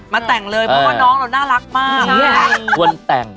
มาแต่งเลยเพราะว่าน้องเราน่ารักมาก